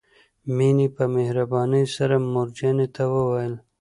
مينې په مهربانۍ سره مور جانې ته وويل.